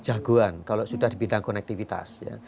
jagoan kalau sudah di bidang konektivitas